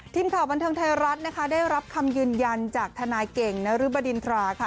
ทีมข่าวบันเทิงไทยรัฐนะคะได้รับคำยืนยันจากทนายเก่งนรึบดินทราค่ะ